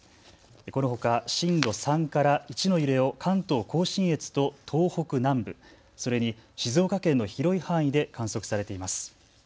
このほか震度３から１の揺れを関東甲信越と東北南部、それに静岡県の広い範囲で観測されています。